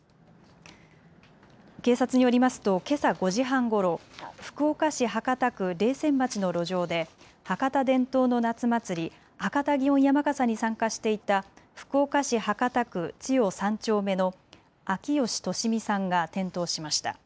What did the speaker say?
警察によりますとけさ５時半ごろ福岡市博多区冷泉町の路上で博多伝統の夏祭り、博多祇園山笠に参加していた福岡市博多区千代３丁目の秋吉敏実さんが転倒しました。